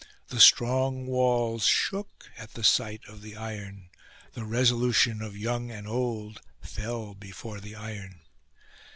The strong walls shook at the sight of the iron ; the resolution of young and old fell before the iron.